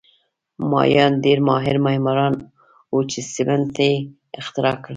مایان ډېر ماهر معماران وو چې سیمنټ یې اختراع کړل